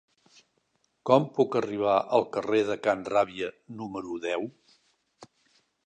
Com puc arribar al carrer de Can Ràbia número deu?